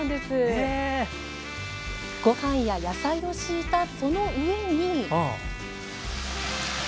ご飯や野菜を敷いた、その上に。